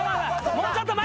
もうちょっと前。